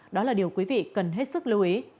đó là điều quý vị cần hết sức lưu ý